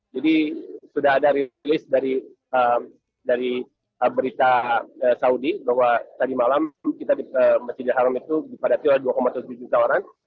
jadi sudah ada rilis dari berita saudi bahwa tadi malam masjid al haram itu dipadati oleh dua tujuh juta orang